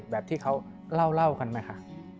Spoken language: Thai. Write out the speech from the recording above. แบบที่เขาเล่ากันนะคะ